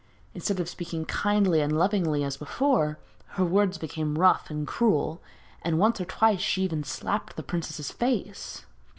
Instead of speaking kindly and lovingly as before, her words became rough and cruel, and once or twice she even slapped the princess's face.